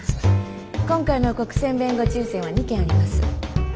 今回の国選弁護抽選は２件あります。